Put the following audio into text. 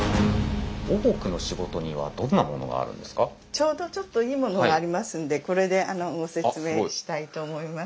ちょうどちょっといいものがありますんでこれでご説明したいと思います。